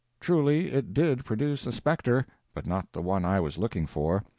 Truly, it did produce a spectre, but not the one I was looking for.